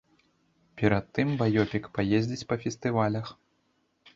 Перад тым баёпік паездзіць па фестывалях.